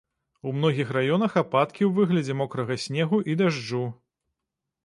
У многіх раёнах ападкі ў выглядзе мокрага снегу і дажджу.